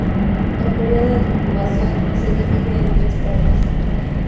El período de incubación se divide en tres partes.